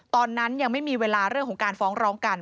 ตอนนั้นยังไม่มีเวลาเรื่องของการฟ้องร้องกัน